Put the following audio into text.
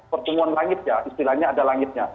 pertumbuhan langit ya istilahnya ada langitnya